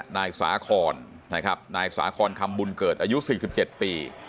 นายสาคอนนะครับนายสาคอนคำบุญเกิดอายุ๔๗ปี